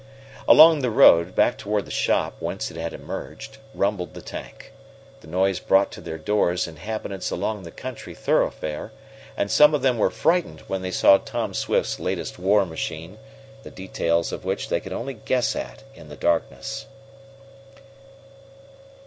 Along the road, back toward the shop whence it had emerged, rumbled the tank. The noise brought to their doors inhabitants along the country thoroughfare, and some of them were frightened when they saw Tom Swift's latest war machine, the details of which they could only guess at in the darkness.